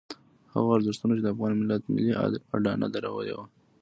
هغو ارزښتونو چې د افغان ملت ملي اډانه درولې وه.